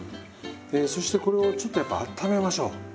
えそしてこれをちょっとやっぱあっためましょう。